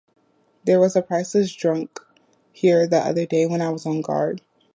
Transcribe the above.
There was a priceless drunk here the other day when I was on guard.